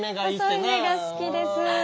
細い目が好きです。